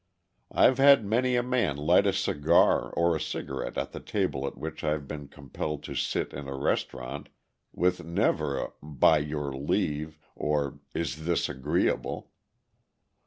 I've had many a man light a cigar or a cigarette at a table at which I've been compelled to sit in a restaurant with never a "By your leave!" or "Is this agreeable?"